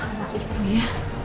anak itu ya